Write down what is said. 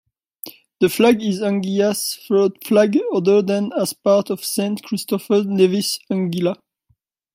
The flag is Anguilla's third flag other than as part of Saint Christopher-Nevis-Anguilla.